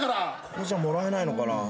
ここじゃもらえないのかな？